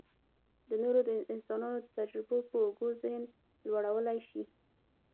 د نورو انسانانو د تجربو په اوږو ذهن لوړولی شي.